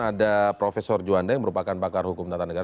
ada profesor juwanda yang merupakan bakar hukum tata negara